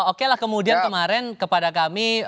oke lah kemudian kemarin kepada kami